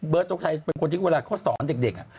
เบิร์ดทรงชัยเป็นคนที่เวลาเขาสอนเด็ก